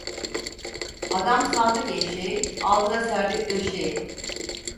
Adam sandık eşeği, altına serdik döşeği.